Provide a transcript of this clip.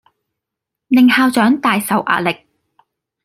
令校長大受壓力